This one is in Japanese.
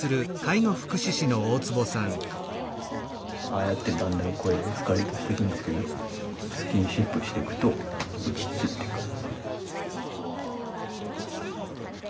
ああやってだんだん声エスカレートしていくんですけどスキンシップしていくと落ち着いてくる。